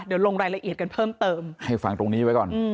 เดี๋ยวลงรายละเอียดกันเพิ่มเติมให้ฟังตรงนี้ไว้ก่อน